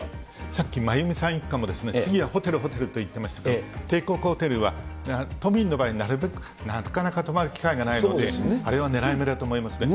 さっき真弓さん一家も、次はホテル、ホテルと言ってましたけども、帝国ホテルは都民の場合、なるべく、なかなか泊まる機会はないので、あれはねらい目だと思いますね。